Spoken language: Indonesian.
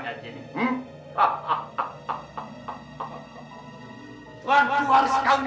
tuhan ku harus kau nyari